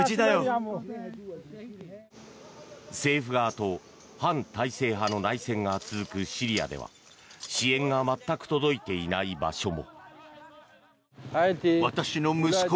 政府側と反体制派の内戦が続くシリアでは支援が全く届いていない場所も。